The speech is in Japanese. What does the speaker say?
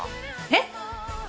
えっ？